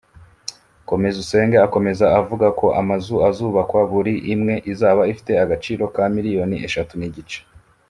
Komezusenge akomeza avuga ko amazu azubakwa buri imwe izaba ifite agaciro ka miliyoni eshatu n’igice